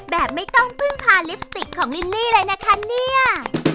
แบบไม่ต้องพึ่งพาลิปสติกของลินนี่เลยนะคะเนี่ย